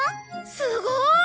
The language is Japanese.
すごーい！